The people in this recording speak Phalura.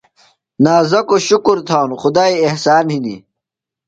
نازکوۡ شُکر تھانوۡ۔ خدائی احسان ہِنیۡ۔